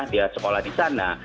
dia sekolah di sana